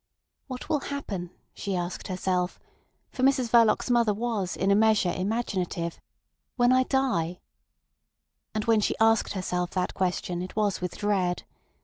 What will happen, she asked herself (for Mrs Verloc's mother was in a measure imaginative), when I die? And when she asked herself that question it was with dread.